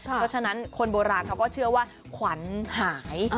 เพราะฉะนั้นคนโบราณเขาก็เชื่อว่าขวัญหาย